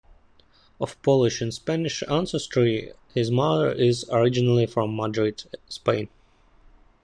Of Polish and Spanish ancestry, his mother is originally from Madrid, Spain.